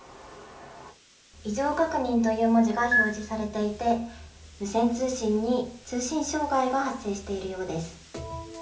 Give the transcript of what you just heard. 「異常確認」という文字が表示されていて無線通信に通信障害が発生しているようです。